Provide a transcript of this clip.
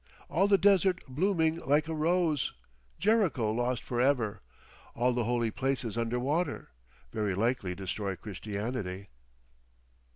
All the desert blooming like a rose, Jericho lost for ever, all the Holy Places under water.... Very likely destroy Christianity."...